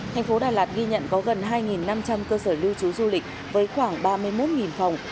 thành phố đà lạt ghi nhận có gần hai năm trăm linh cơ sở lưu trú du lịch với khoảng ba mươi một phòng